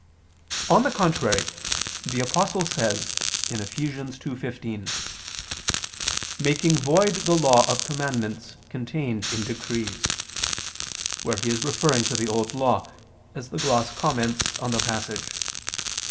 On the contrary, The Apostle says (Eph. 2:15): "Making void the Law of commandments contained in decrees": where he is referring to the Old Law, as the gloss comments, on the passage.